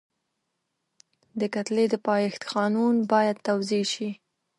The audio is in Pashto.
د کتلې د پایښت قانون باید توضیح شي.